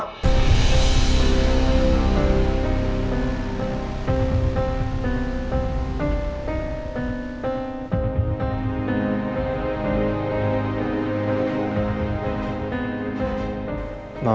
semoga saya kuc discern